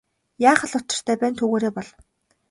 Яах л учиртай байна түүгээрээ бол.